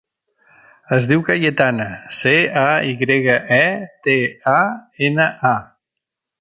Es diu Cayetana: ce, a, i grega, e, te, a, ena, a.